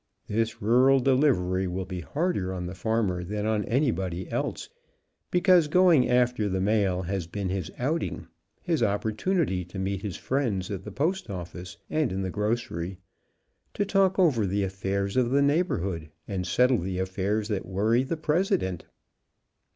This rural delivery will be harder on the farmer than on anybody else, because going after the mail has been his outing, his oppor tunity to meet his friends at the postoffice, and in the grocery, to talk over the affairs of the neighborhood, and settle the affairs that worry the President.